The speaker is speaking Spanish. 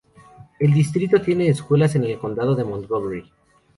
El distrito tiene escuelas en el Condado de Montgomery.